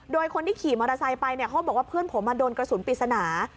โดยคนที่ขี่มอเตอร์ไซค์ไปเนี่ยเขาบอกว่าเพื่อนผมโดนกระสุนปริศนา